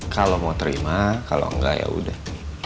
kalau mau terima kalau enggak ya udah